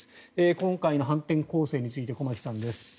今回の反転攻勢について駒木さんです。